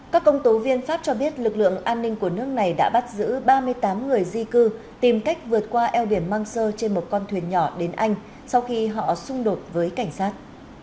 các công tố viên pháp cho biết lực lượng an ninh của nước này đã bắt giữ ba mươi tám người di cư tìm cách vượt qua eo biển mang sơ trên một con thuyền nhỏ đến anh sau khi họ xung đột với cảnh sát